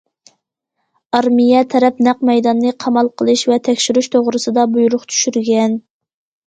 ئارمىيە تەرەپ نەق مەيداننى قامال قىلىش ۋە تەكشۈرۈش توغرىسىدا بۇيرۇق چۈشۈرگەن.